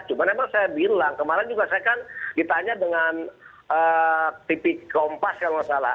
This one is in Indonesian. cuma memang saya bilang kemarin juga saya kan ditanya dengan titik kompas kalau nggak salah